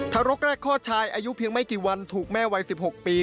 ทารกแรกข้อชายอายุเพียงไม่กี่วันถูกแม่วัยสิบหกปี